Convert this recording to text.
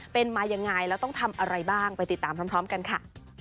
เป็นมายังไงแล้วต้องทำอะไรบ้างไปติดตามพร้อมกันค่ะ